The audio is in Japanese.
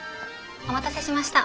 お待たせしました。